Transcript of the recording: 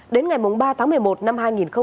đến ngày ba tháng một mươi một năm hai nghìn hai mươi